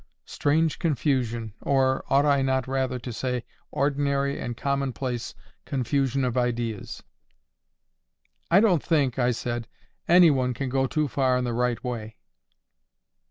Strange confusion—or, ought I not rather to say?—ordinary and commonplace confusion of ideas! "I don't think," I said, "any one can go too far in the right way."